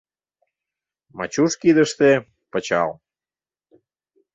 Мачуш кидыште пычал.